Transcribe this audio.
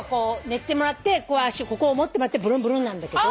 寝てもらって足のここを持ってもらってブルンブルンなんだけど。